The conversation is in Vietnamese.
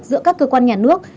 giữa các cơ quan nhà nước